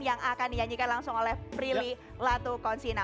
yang akan dinyanyikan langsung oleh prilly latukonsina